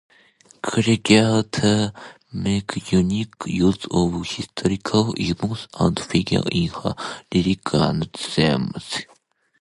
Creager makes unique use of historical events and figures in her lyrics and themes.